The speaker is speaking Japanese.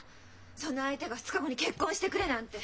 その相手が２日後に「結婚してくれ」なんて！